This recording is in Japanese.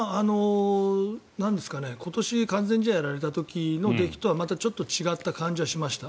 今年完全試合をやられた時の出来とはまたちょっと違った感じはしました。